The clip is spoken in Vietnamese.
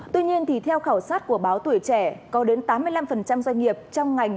tuy nhiên theo khảo sát của báo tuổi trẻ có đến tám mươi năm doanh nghiệp trong ngành